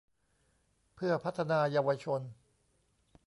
เพื่อพัฒนาเยาวชน